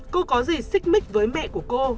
cô có gì xích mích với mẹ của cô